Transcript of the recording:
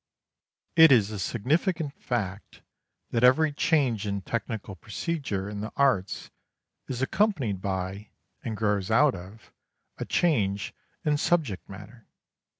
It is a significant fact that every change in technical procedure in the arts is accompanied by, and grows out of, a change in subject matter.